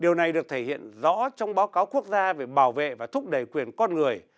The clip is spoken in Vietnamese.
điều này được thể hiện rõ trong báo cáo quốc gia về bảo vệ và thúc đẩy quyền con người